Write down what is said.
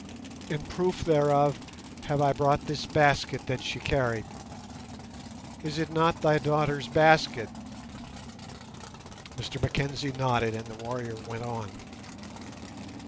In proof thereof have I brought this basket that she carried. Is it not thy daughter's basket?" Mr Mackenzie nodded, and the warrior went on.